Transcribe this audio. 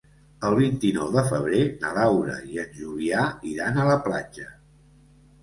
El vint-i-nou de febrer na Laura i en Julià iran a la platja.